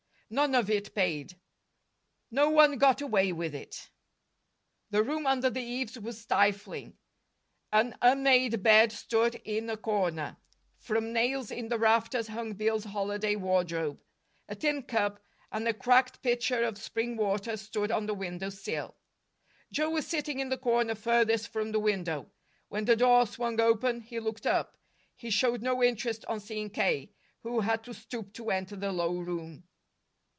None of it paid. No one got away with it. The room under the eaves was stifling. An unmade bed stood in a corner. From nails in the rafters hung Bill's holiday wardrobe. A tin cup and a cracked pitcher of spring water stood on the window sill. Joe was sitting in the corner farthest from the window. When the door swung open, he looked up. He showed no interest on seeing K., who had to stoop to enter the low room.